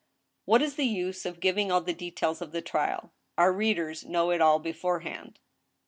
What is the use of giving all the details of the trial ? Our readers know it all beforehand.